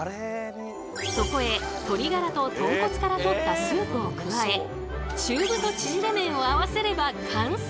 そこへ鶏ガラと豚骨からとったスープを加え中太ちぢれ麺を合わせれば完成！